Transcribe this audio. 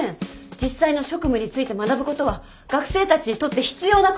実際の職務について学ぶことは学生たちにとって必要なことです。